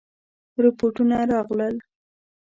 رپوټونه راغلل.